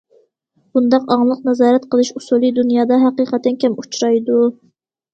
بۇنداق ئاڭلىق نازارەت قىلىش ئۇسۇلى دۇنيادا ھەقىقەتەن كەم ئۇچرايدۇ.